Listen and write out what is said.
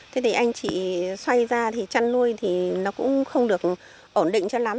thế thì anh chị xoay ra thì chăn nuôi thì nó cũng không được ổn định cho lắm